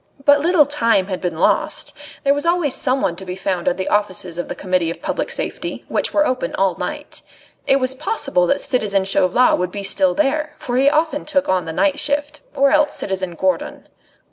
But little time had been lost. There was always someone to be found at the offices of the Committee of Public Safety, which were open all night. It was possible that citizen Chauvelin would be still there, for he often took on the night shift, or else citizen Gourdon.